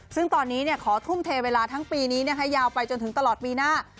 ซึ่งตอนนี้ขอทุ่มเทเวลาทั้งปีนี้ยาวไปจนถึงตลอดปีหน้า